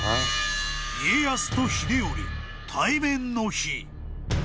［家康と秀頼対面の日］